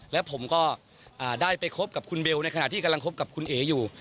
และผมก็ได้ไปคบกับคุณเบลในขณะที่กำลังคบกับคุณเอ๋อยู่